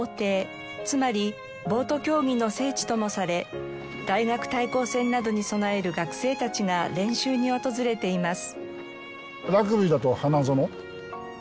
つまりボート競技の聖地ともされ大学対抗戦などに備える学生たちが練習に訪れています。